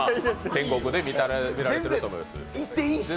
天国で見られていると思います。